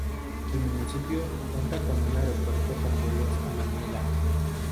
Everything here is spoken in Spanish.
El municipio cuenta con un aeropuerto con vuelos a Manila.